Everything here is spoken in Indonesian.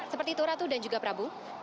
seperti itu ratu dan juga prabu